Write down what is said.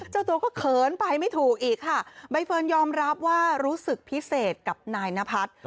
เจ้าตัวก็เขินไปไม่ถูกอีกค่ะใบเฟิร์นยอมรับว่ารู้สึกพิเศษกับนายนพัฒน์